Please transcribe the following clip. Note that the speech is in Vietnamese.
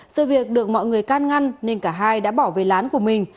sự việc được mọi người can ngăn nên cả hai đã bỏ về lán của mình